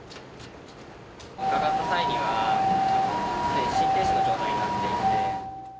伺った際には、すでに心停止の状態になっていて。